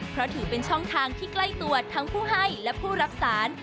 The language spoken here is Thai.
เพราะถือเป็นช่องทางที่ใกล้ตัวทั้งผู้ให้และผู้รักษา